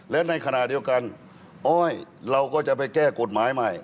และในขณะเดียวกันอ้อยเราก็จะไปแก้กฎหมายใหม่